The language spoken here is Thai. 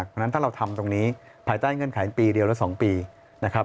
เพราะฉะนั้นถ้าเราทำตรงนี้ภายใต้เงื่อนไขปีเดียวและ๒ปีนะครับ